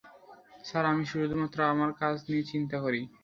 Sir, আমি শুধুমাত্র আমার কাজ নিয়ে চিন্তা করি।